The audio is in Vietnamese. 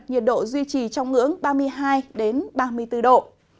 nhiệt độ duy trì trong ngưỡng ba mươi hai ba mươi bốn độ